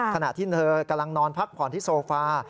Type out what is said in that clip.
ขณะที่เธอกำลังนอนพักผ่อนที่โซฟา